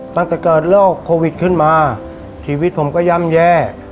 ตั้งแต่เกิดโรคโควิดขึ้นมาชีวิตผมก็ย่ำแย่